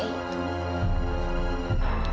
aku sangat menghargai itu